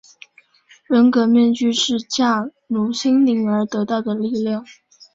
人格面具是驾驭心灵而得到的力量。